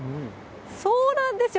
そうなんですよ。